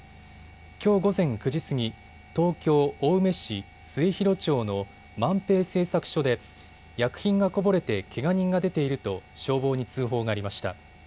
きょう午前９時過ぎ、東京青梅市末広町の萬平製作所で薬品がこぼれてけが人が出ていると消防に通報がありました。